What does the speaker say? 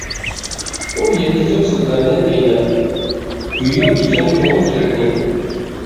ئۇ يەتكۈزۈپ سۆزلەرنى ئەينەن، يۇيار ئىكەن كۆڭۈل كىرىنى.